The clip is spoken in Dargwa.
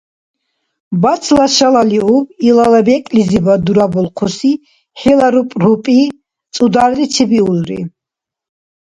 Бацла шалалиуб илала бекӀлизибад дурабулхъуси хӀила рупӀрупӀи цӀударли чебиулри…